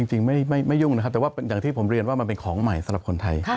จริงไม่ยุ่งนะครับแต่ว่าอย่างที่ผมเรียนว่ามันเป็นของใหม่สำหรับคนไทย